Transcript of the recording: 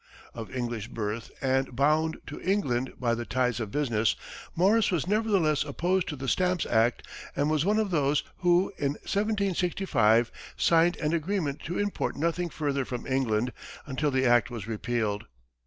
Of English birth, and bound to England by the ties of business, Morris was nevertheless opposed to the stamp act and was one of those who, in 1765, signed an agreement to import nothing further from England until the act was repealed.